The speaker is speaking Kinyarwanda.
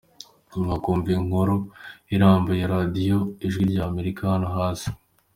Mwakumva inkuru irambuye ya Radio Ijwi ry’Amerika hano hasi: